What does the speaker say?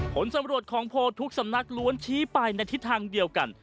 ผลสำรวจของโพลทุกสำนักล้วนชี้ไปในทิศทางเดียวกัน